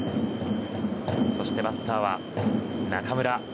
そしてバッターは中村。